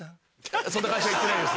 そんな会社行ってないです。